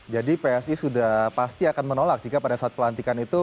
jadi psi sudah pasti akan menolak jika pada saat pelantikan itu